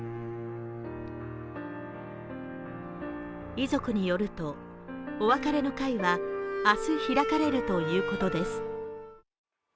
遺族によると、お別れの会は明日開かれるということです。